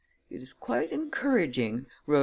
"It is quite encouraging," wrote M.